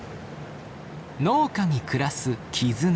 農家に暮らす絆。